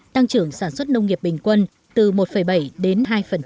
tăng trưởng sản xuất nông nghiệp bình quân từ một bảy đến hai